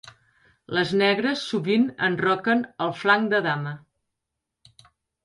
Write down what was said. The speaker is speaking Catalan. Les negres sovint enroquen al flanc de dama.